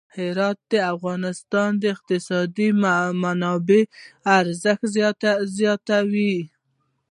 هرات د افغانستان د اقتصادي منابعو ارزښت زیاتوي.